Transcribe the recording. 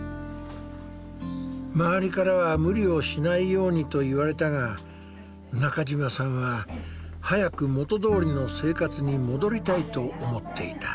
周りからは無理をしないようにと言われたが中嶋さんは早く元どおりの生活に戻りたいと思っていた。